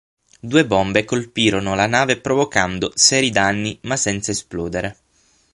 Due bombe colpirono la nave provocando seri danni ma senza esplodere.